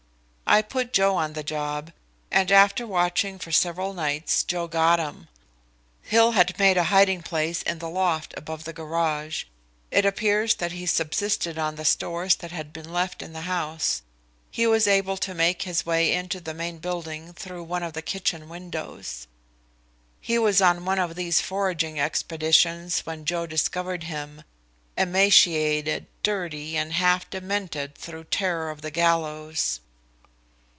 I put Joe on the job, and after watching for several nights Joe got him. Hill had made a hiding place in the loft above the garage. It appears that he subsisted on the stores that had been left in the house; he was able to make his way into the main building through one of the kitchen windows. He was on one of these foraging expeditions when Joe discovered him emaciated, dirty, and half demented through terror of the gallows."